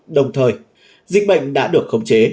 đồng thời dịch bệnh đã được khống chế